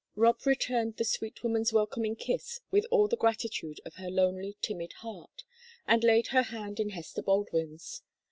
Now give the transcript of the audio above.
Rob returned the sweet woman's welcoming kiss with all the gratitude of her lonely, timid heart, and laid her hand in Hester Baldwin's.